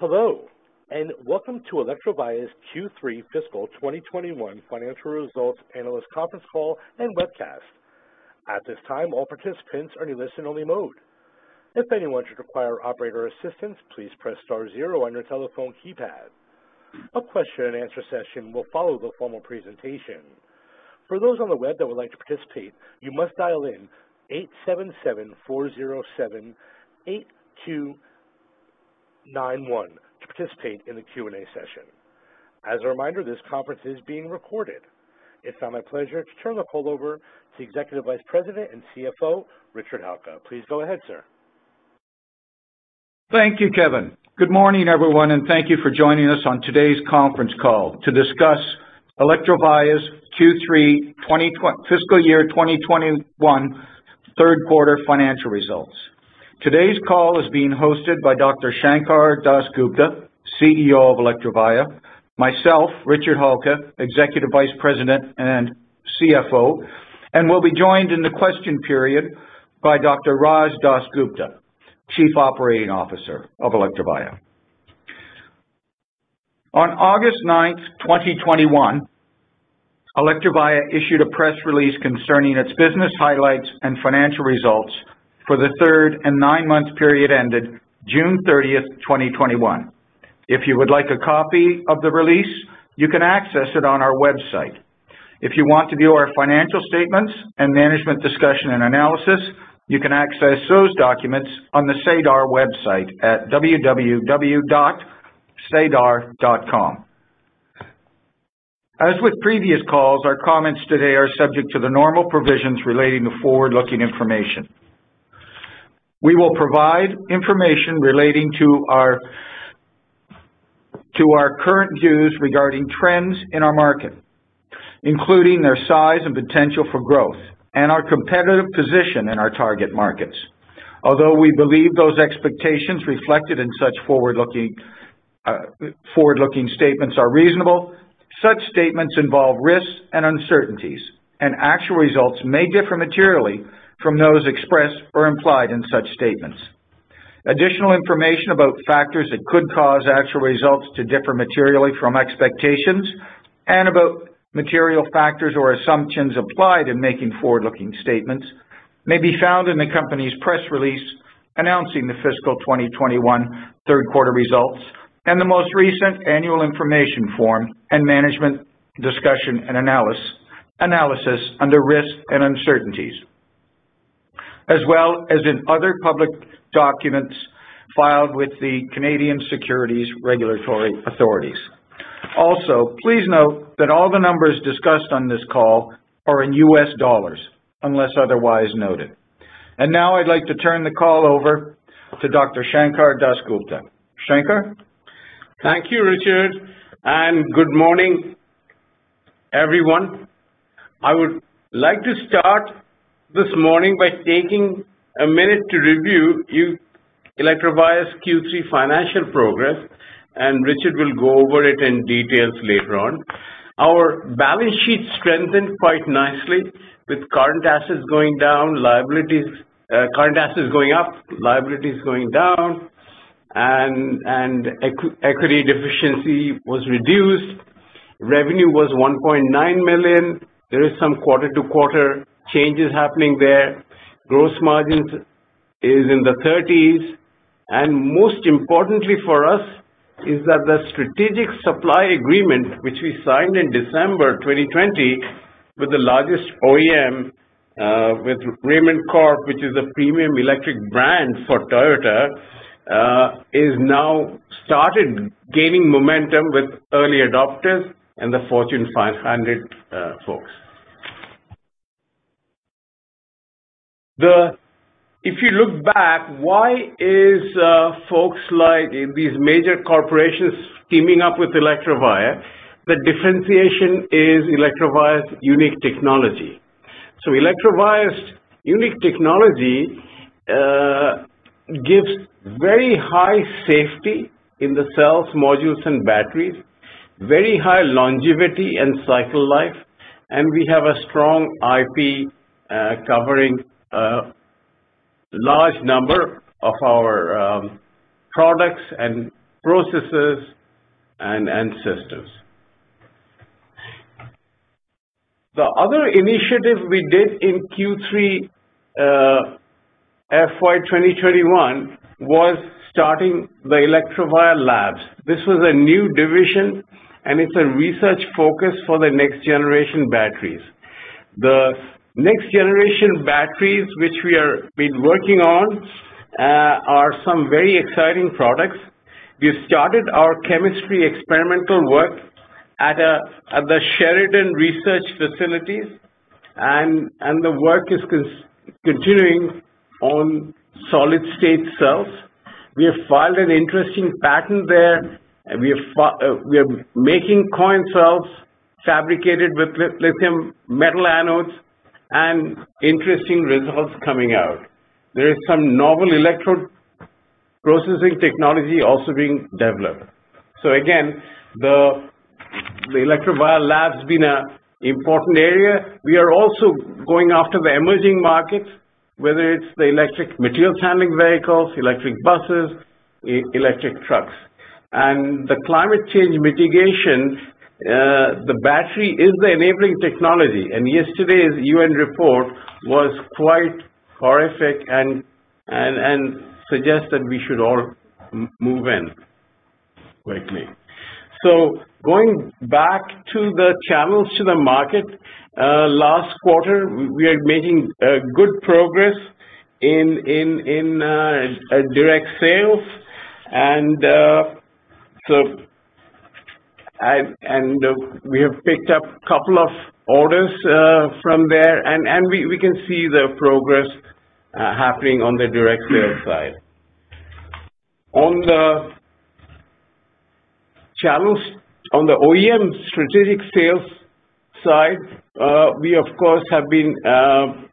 Hello, welcome to Electrovaya's Q3 fiscal 2021 financial results analyst conference call and webcast. At this time, all participants are in listen-only mode. If anyone should require operator assistance, please press star zero on your telephone keypad. A question and answer session will follow the formal presentation. As a reminder, this conference is being recorded. It's now my pleasure to turn the call over to Executive Vice President and CFO, Richard Halka. Please go ahead, sir. Thank you, Kevin. Good morning, everyone, and thank you for joining us on today's conference call to discuss Electrovaya's Q3 fiscal year 2021 third quarter financial results. Today's call is being hosted by Dr. Sankar Das Gupta, CEO of Electrovaya, myself, Richard Halka, Executive Vice President and CFO, and we'll be joined in the question period by Dr. Raj Das Gupta, Chief Operating Officer of Electrovaya. On August 9th, 2021, Electrovaya issued a press release concerning its business highlights and financial results for the third and nine-month period ended June 30th, 2021. If you would like a copy of the release, you can access it on our website. If you want to view our financial statements and management discussion and analysis, you can access those documents on the SEDAR website at www.sedar.com. As with previous calls, our comments today are subject to the normal provisions relating to forward-looking information. We will provide information relating to our current views regarding trends in our market, including their size and potential for growth and our competitive position in our target markets. Although we believe those expectations reflected in such forward-looking statements are reasonable, such statements involve risks and uncertainties, and actual results may differ materially from those expressed or implied in such statements. Additional information about factors that could cause actual results to differ materially from expectations and about material factors or assumptions applied in making forward-looking statements may be found in the company's press release announcing the fiscal 2021 Q3 results and the most recent annual information form and Management Discussion and Analysis under risks and uncertainties, as well as in other public documents filed with the Canadian securities regulatory authorities. Also, please note that all the numbers discussed on this call are in US dollars, unless otherwise noted. Now I'd like to turn the call over to Dr. Sankar Das Gupta. Sankar? Thank you, Richard, and good morning, everyone. I would like to start this morning by taking a minute to review Electrovaya's Q3 financial progress, and Richard will go over it in details later on. Our balance sheet strengthened quite nicely with current assets going up, liabilities going down, and equity deficiency was reduced. Revenue was $1.9 million. There is some quarter-to-quarter changes happening there. Gross margins is in the 30s, and most importantly for us is that the strategic supply agreement, which we signed in December 2020 with the largest OEM, with Raymond Corp, which is a premium electric brand for Toyota, is now started gaining momentum with early adopters and the Fortune 500 folks. If you look back, why is folks like these major corporations teaming up with Electrovaya? The differentiation is Electrovaya's unique technology. Electrovaya's unique technology gives very high safety in the cells, modules, and batteries, very high longevity and cycle life, and we have a strong IP covering a large number of our products and processes and. [inaudible] The other initiative we did in Q3 FY 2021 was starting the Electrovaya Labs. This was a new division, and it's a research focus for the next generation batteries. The next generation batteries, which we have been working on, are some very exciting products. We have started our chemistry experimental work at the Sheridan research facilities, and the work is continuing on solid-state cells. We have filed an interesting patent there, and we are making coin cells fabricated with lithium metal anodes and interesting results coming out. There is some novel electrode processing technology also being developed. Again, the Electrovaya lab's been an important area. We are also going after the emerging markets, whether it's the electric materials handling vehicles, electric buses, electric trucks. The climate change mitigation, the battery is the enabling technology. Yesterday's UN report was quite horrific and suggests that we should all move in quickly. Going back to the channels to the market, last quarter, we are making good progress in direct sales. We have picked up couple of orders from there, and we can see the progress happening on the direct sales side. On the channels, on the OEM strategic sales side, we, of course, have been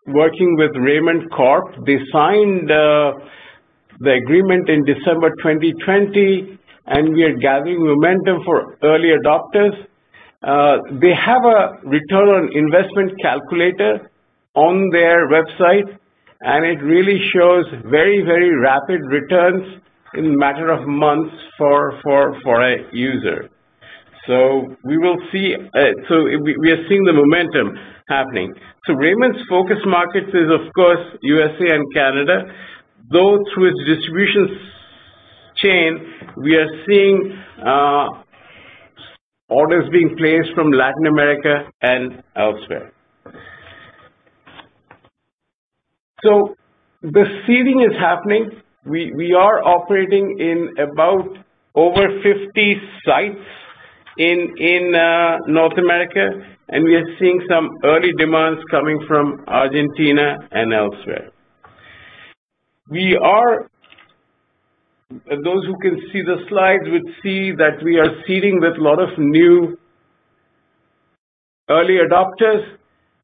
working with Raymond Corp. They signed the agreement in December 2020, and we are gathering momentum for early adopters. They have a return on investment calculator on their website, and it really shows very rapid returns in a matter of months for a user. We are seeing the momentum happening. Raymond's focus markets is, of course, U.S. and Canada, though through its distribution chain, we are seeing orders being placed from Latin America and elsewhere. The seeding is happening. We are operating in about over 50 sites in North America, and we are seeing some early demands coming from Argentina and elsewhere. Those who can see the slides would see that we are seeding with a lot of new early adopters,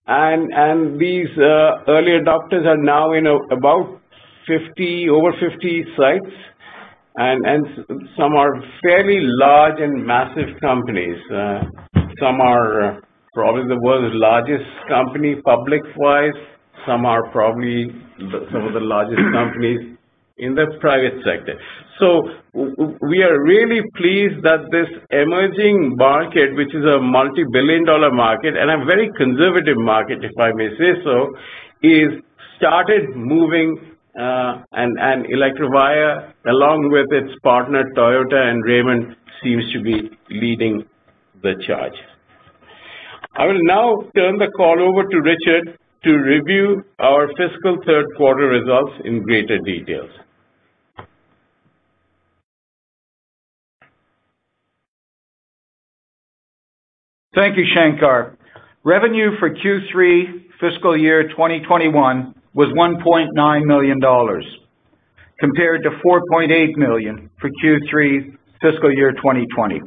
and these early adopters are now in about over 50 sites, and some are fairly large and massive companies. Some are probably the world's largest company public-wise. Some are probably some of the largest companies in the private sector. We are really pleased that this emerging market, which is a multi-billion-dollar market, and a very conservative market, if I may say so, is started moving, and Electrovaya, along with its partner, Toyota, and Raymond, seems to be leading the charge. I will now turn the call over to Richard to review our fiscal third quarter results in greater details. Thank you, Sankar. Revenue for Q3 fiscal year 2021 was $1.9 million, compared to $4.8 million for Q3 fiscal year 2020.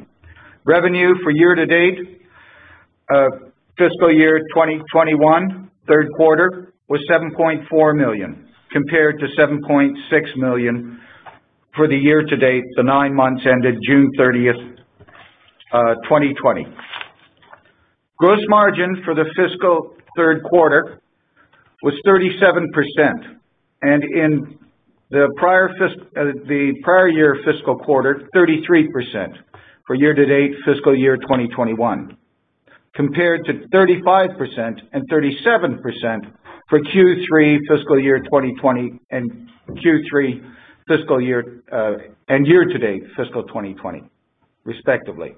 Revenue for year-to-date, fiscal year 2021, third quarter, was $7.4 million, compared to $7.6 million for the year-to-date, the nine months ended June 30th, 2020. Gross margin for the fiscal third quarter was 37%, and in the prior year fiscal quarter, 33% for year-to-date fiscal year 2021, compared to 35% and 37% for Q3 fiscal year 2020 and Q3 fiscal year, and year-to-date fiscal 2020, respectively.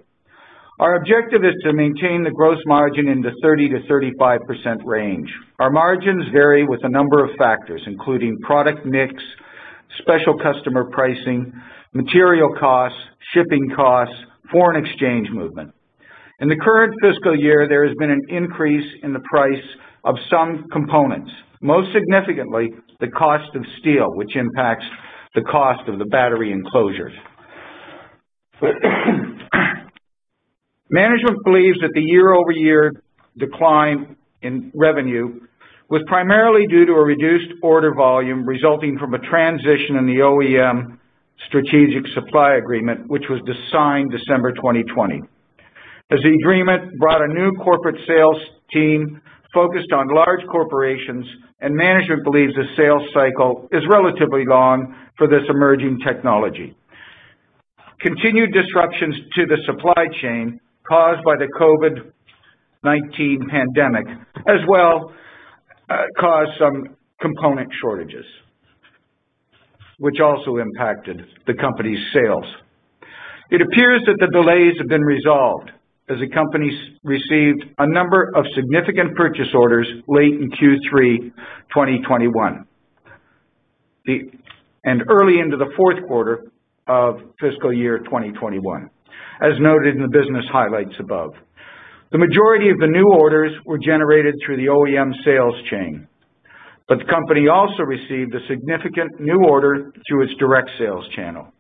Our objective is to maintain the gross margin in the 30%-35% range. Our margins vary with a number of factors, including product mix, special customer pricing, material costs, shipping costs, foreign exchange movement. In the current fiscal year, there has been an increase in the price of some components, most significantly, the cost of steel, which impacts the cost of the battery enclosures. Management believes that the year-over-year decline in revenue was primarily due to a reduced order volume resulting from a transition in the OEM strategic supply agreement, which was signed December 2020. The agreement brought a new corporate sales team focused on large corporations, and management believes the sales cycle is relatively long for this emerging technology. Continued disruptions to the supply chain caused by the COVID-19 pandemic as well, caused some component shortages, which also impacted the company's sales. It appears that the delays have been resolved as the company's received a number of significant purchase orders late in Q3 2021 and early into the fourth quarter of fiscal year 2021, as noted in the business highlights above. The majority of the new orders were generated through the OEM sales chain. The company also received a significant new order through its direct sales channel.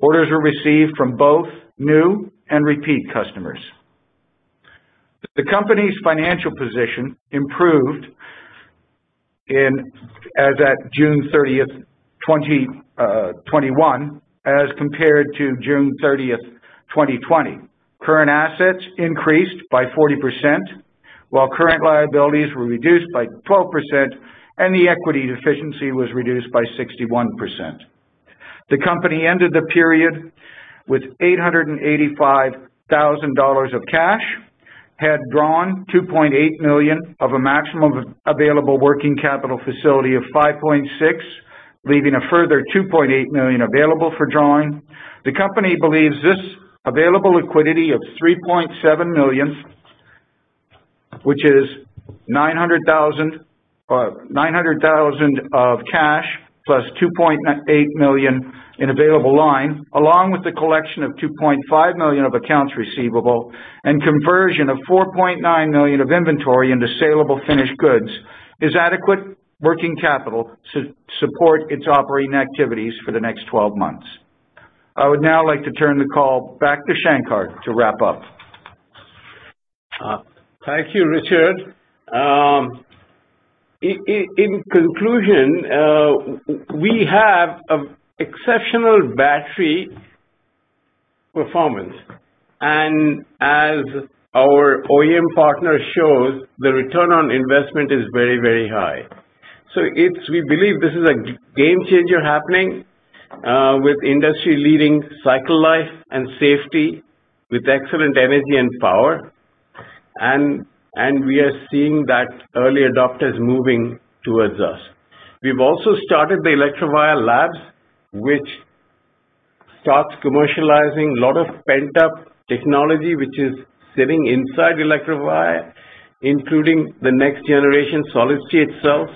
Orders were received from both new and repeat customers. The company's financial position improved. As at June 30th, 2021, as compared to June 30th, 2020. Current assets increased by 40%, while current liabilities were reduced by 12% and the equity deficiency was reduced by 61%. The company ended the period with $885,000 of cash, had drawn $2.8 million of a maximum available working capital facility of $5.6 million, leaving a further $2.8 million available for drawing. The company believes this available liquidity of $3.7 million, which is $900,000 of cash plus $2.8 million in available line, along with the collection of $2.5 million of accounts receivable and conversion of $4.9 million of inventory into saleable finished goods, is adequate working capital to support its operating activities for the next 12 months. I would now like to turn the call back to Sankar to wrap up. Thank you, Richard. In conclusion, we have exceptional battery performance. As our OEM partner shows, the return on investment is very, very high. We believe this is a game changer happening, with industry-leading cycle life and safety, with excellent energy and power. We are seeing that early adopters moving towards us. We've also started the Electrovaya Labs, which starts commercializing a lot of pent-up technology which is sitting inside Electrovaya, including the next generation solid-state cells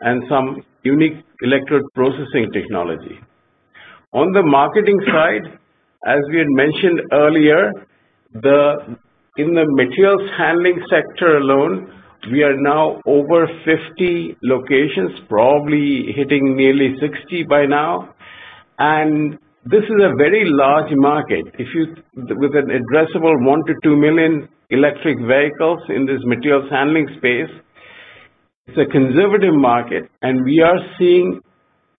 and some unique electrode processing technology. On the marketing side, as we had mentioned earlier, in the materials handling sector alone, we are now over 50 locations, probably hitting nearly 60 by now. This is a very large market. With an addressable 1 million to 2 million electric vehicles in this materials handling space, it's a conservative market, and we are seeing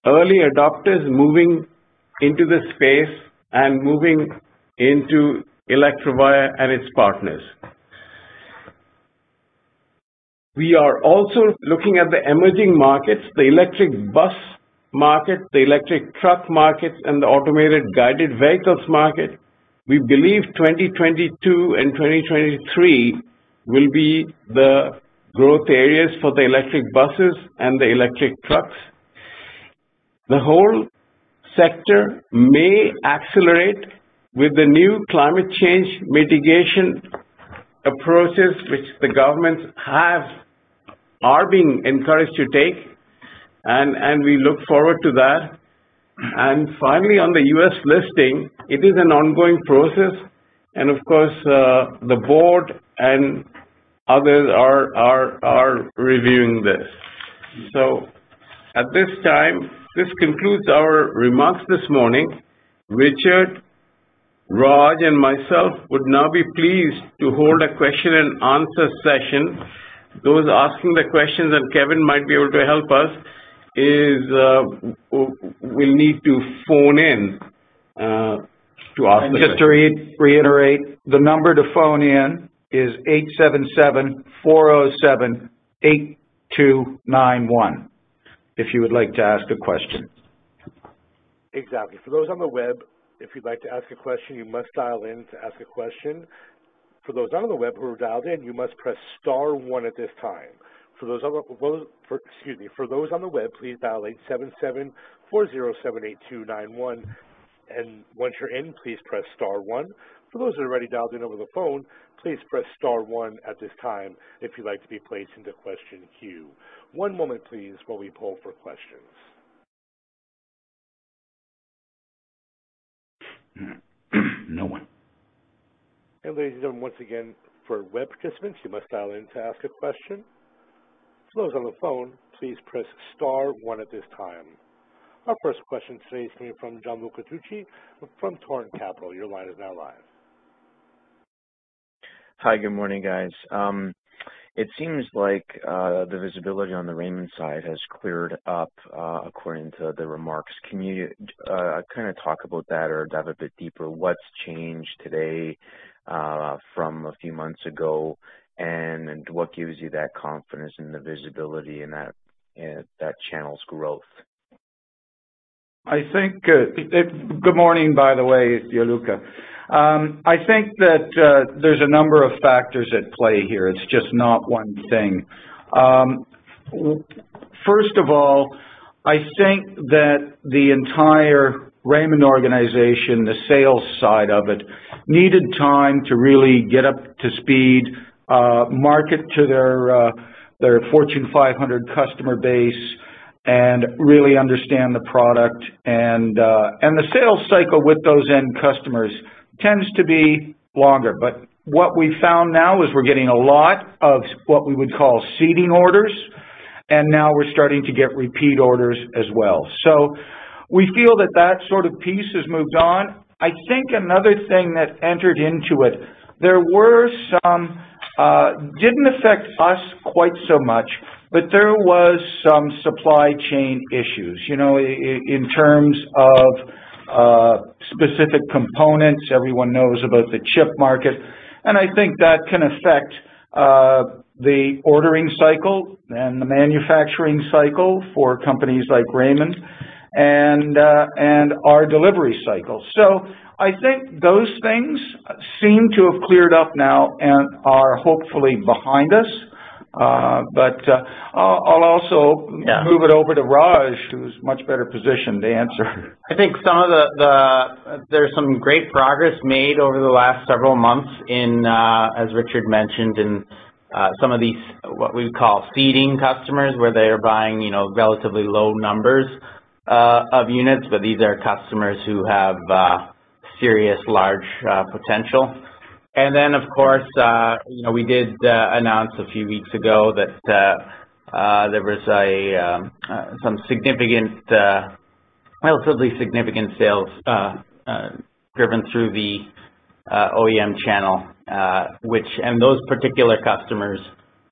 early adopters moving into this space and moving into Electrovaya and its partners. We are also looking at the emerging markets, the electric bus market, the electric truck market, and the automated guided vehicles market. We believe 2022 and 2023 will be the growth areas for the electric buses and the electric trucks. The whole sector may accelerate with the new climate change mitigation approaches, which the governments are being encouraged to take. We look forward to that. Finally, on the U.S. listing, it is an ongoing process. Of course, the board and others are reviewing this. At this time, this concludes our remarks this morning. Richard, Raj, and myself would now be pleased to hold a question and answer session. Those asking the questions, and Kevin might be able to help us, will need to phone in to ask. Just to reiterate, the number to phone in is 877-407-8291, if you would like to ask a question. Exactly. For those on the web, if you'd like to ask a question, you must dial in to ask a question. For those on the web who are dialed in, you must press star one at this time. Excuse me. For those on the web, please dial 877-407-8291, and once you're in, please press star one. For those who are already dialed in over the phone, please press star one at this time if you'd like to be placed into question queue. One moment, please, while we poll for questions. No one. Ladies and gentlemen, once again, for web participants, you must dial in to ask a question. For those on the phone, please press star one at this time. Our first question today is coming from Gianluca Tucci from Torrent Capital. Your line is now live. Hi. Good morning, guys. It seems like the visibility on the Raymond side has cleared up, according to the remarks. Can you talk about that or dive a bit deeper? What's changed today from a few months ago, and what gives you that confidence in the visibility in that channel's growth? Good morning, by the way, Gianluca. I think that there's a number of factors at play here. It's just not one thing. First of all, I think that the entire Raymond organization, the sales side of it, needed time to really get up to speed, market to their Fortune 500 customer base, and really understand the product. The sales cycle with those end customers tends to be longer. What we've found now is we're getting a lot of what we would call seeding orders, and now we're starting to get repeat orders as well. We feel that sort of piece has moved on. I think another thing that entered into it, didn't affect us quite so much, but there was some supply chain issues in terms of specific components. Everyone knows about the chip market. I think that can affect the ordering cycle and the manufacturing cycle for companies like Raymond and our delivery cycle. I think those things seem to have cleared up now and are hopefully behind us. I'll also move it over to Raj, who's much better positioned to answer. I think there's some great progress made over the last several months in, as Richard mentioned, in some of these, what we would call seeding customers, where they are buying relatively low numbers of units. These are customers who have serious large potential. Of course, we did announce a few weeks ago that there was some relatively significant sales driven through the OEM channel. Those particular customers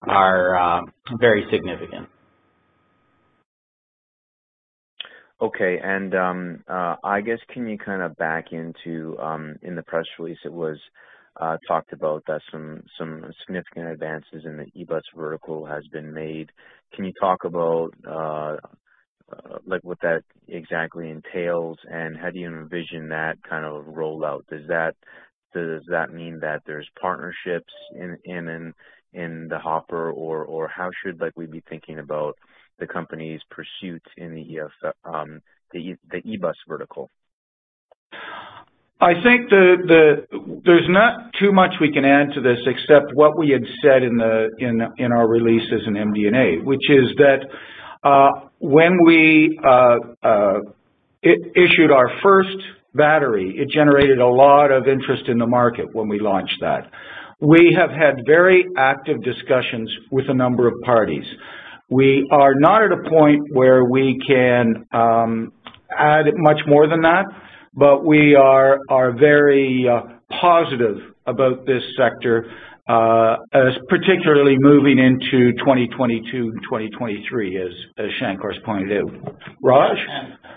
are very significant. Okay. I guess, can you back into, in the press release it was talked about that some significant advances in the e-bus vertical has been made? Can you talk about what that exactly entails, and how do you envision that kind of rollout? Does that mean that there's partnerships in the hopper, or how should we be thinking about the company's pursuit in the e-bus vertical? I think there is not too much we can add to this, except what we had said in our releases in MD&A, which is that when we issued our first battery, it generated a lot of interest in the market when we launched that. We have had very active discussions with a number of parties. We are not at a point where we can add much more than that, but we are very positive about this sector, as particularly moving into 2022 and 2023, as Sankar's pointed out. Raj?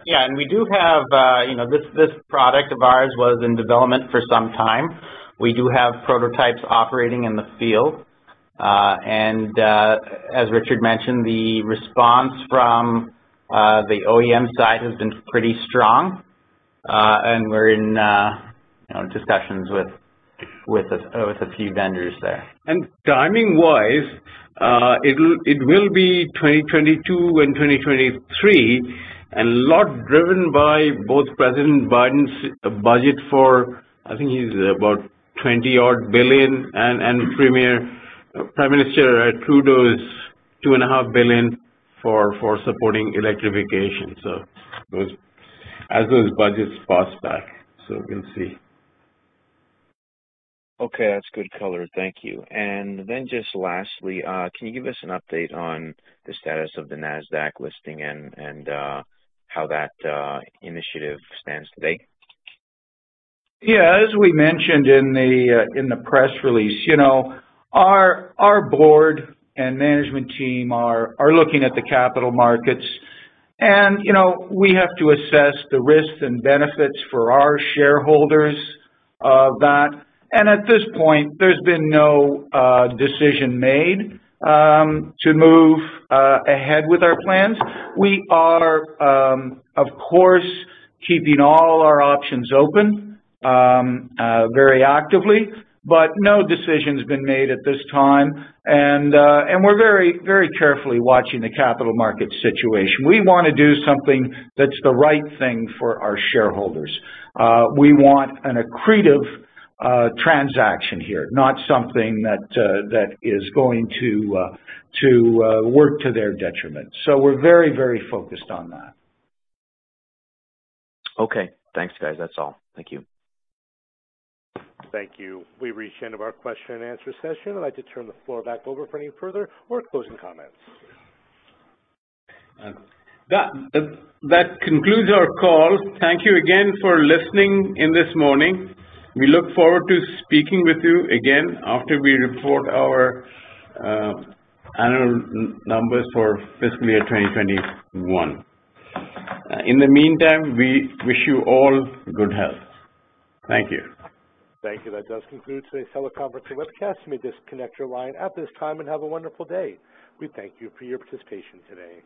Yeah. This product of ours was in development for some time. We do have prototypes operating in the field. As Richard mentioned, the response from the OEM side has been pretty strong. We're in discussions with a few vendors there. Timing-wise, it will be 2022 and 2023, and a lot driven by both President Biden's budget for, I think he's about $20 odd billion, and Prime Minister Trudeau's $2.5 billion for supporting electrification. As those budgets pass back, we'll see. Okay. That's good color. Thank you. Just lastly, can you give us an update on the status of the Nasdaq listing and how that initiative stands today? Yeah. As we mentioned in the press release, our board and management team are looking at the capital markets. We have to assess the risks and benefits for our shareholders of that. At this point, there's been no decision made to move ahead with our plans. We are, of course, keeping all our options open very actively, but no decision's been made at this time. We're very carefully watching the capital market situation. We want to do something that's the right thing for our shareholders. We want an accretive transaction here, not something that is going to work to their detriment. We're very focused on that. Okay. Thanks, guys. That's all. Thank you. Thank you. We've reached the end of our question and answer session. I'd like to turn the floor back over for any further or closing comments. That concludes our call. Thank you again for listening in this morning. We look forward to speaking with you again after we report our annual numbers for fiscal year 2021. In the meantime, we wish you all good health. Thank you. Thank you. That does conclude today's teleconference and webcast. You may disconnect your line at this time, and have a wonderful day. We thank you for your participation today.